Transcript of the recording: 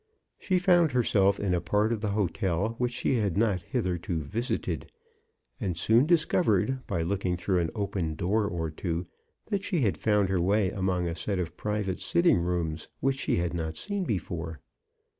She found herself in a part of the hotel which she had not hith erto visited, and soon discovered by looking through an open door or two that she had found her way among a set of private sitting rooms which she had not seen before.